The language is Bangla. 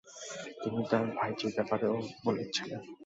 তিনি তার ভাইঝির ব্যাপারেও বলছিলেন।